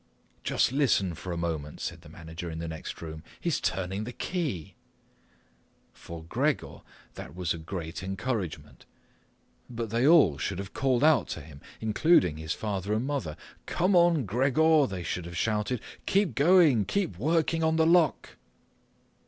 "Just listen for a moment," said the manager in the next room; "he's turning the key." For Gregor that was a great encouragement. But they all should've called out to him, including his father and mother, "Come on, Gregor," they should've shouted; "keep going, keep working on the lock."